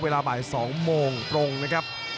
เวลาบ่าย๒โมงตรงนะครับ